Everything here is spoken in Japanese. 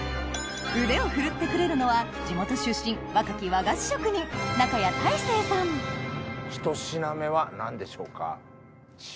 腕を振るってくれるのは地元出身若きひと品目は何でしょうか？